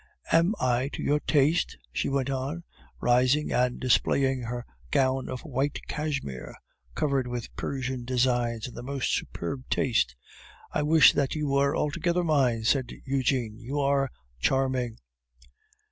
Am I to your taste?" she went on, rising and displaying her gown of white cashmere, covered with Persian designs in the most superb taste. "I wish that you were altogether mine," said Eugene; "you are charming."